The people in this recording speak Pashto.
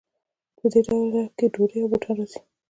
په دې ډله کې ډوډۍ او بوټان راځي.